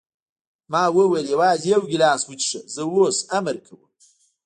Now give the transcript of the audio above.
ما وویل: یوازې یو ګیلاس وڅښه، زه اوس امر کوم.